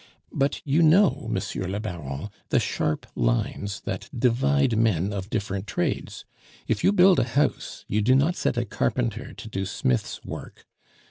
But you know, Monsieur le Baron, the sharp lines that divide men of different trades: if you build a house, you do not set a carpenter to do smith's work.